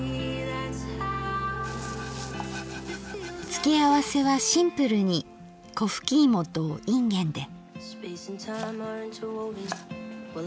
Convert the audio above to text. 付け合わせはシンプルにこふき芋といんげんで。